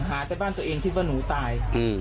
จากบ้านตัวเองคิดว่าหนูตาย